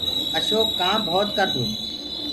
اشوڪ ڪآم ڀوت ڪردو هي۔